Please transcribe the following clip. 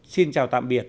xin chào tạm biệt